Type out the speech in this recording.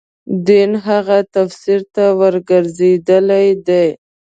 دین هغه تفسیر ته ورګرځېدل دي.